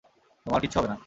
তোমার কিচ্ছু হবে না।